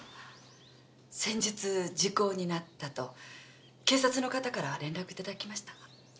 先日時効になったと警察の方からは連絡頂きました。